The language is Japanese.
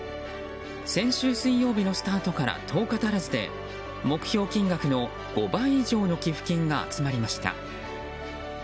先週水曜日のスタートから１０日足らずで目標金額の５倍以上の寄付金が集まりました。